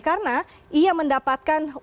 karena ia mendapatkan uang